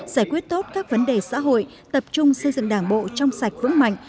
giải quyết tốt các vấn đề xã hội tập trung xây dựng đảng bộ trong sạch vững mạnh